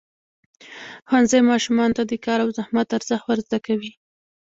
ښوونځی ماشومانو ته د کار او زحمت ارزښت ورزده کوي.